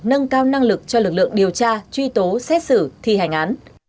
nâng cao năng lực cho lực lượng điều tra truy tố xét xử thi hành án